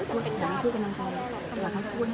จะเป็นราชินิดหนึ่ง